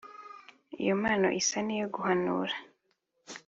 Iyo mpano isa n’iyo guhanura